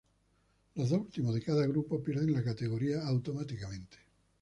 Los dos últimos de cada grupo pierden la categoría automáticamente.